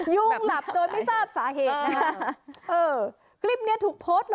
ยุงหลับโดยไม่ทราบสาเหตุ